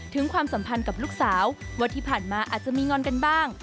ความสัมพันธ์กับลูกสาวว่าที่ผ่านมาอาจจะมีงอนกันบ้าง